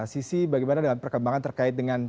sisi bagaimana dalam perkembangan terkait dengan